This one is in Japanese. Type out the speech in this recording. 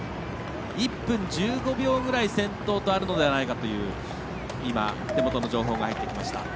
１分１５秒ぐらい先頭とあるのではないかという手元の情報が入ってきました。